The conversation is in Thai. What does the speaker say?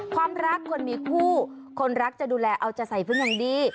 ความรักคนมีคู่คนรักจะดูแลเอาจะใส่เป็นอย่างดี